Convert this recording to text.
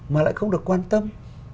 mà lại không được quan tâm